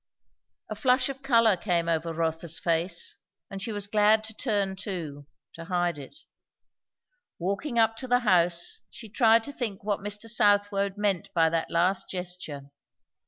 A flush of colour came over Rotha's face, and she was glad to turn too; to hide it. Walking up to the house, she tried to think what Mr. Southwode meant by that last gesture.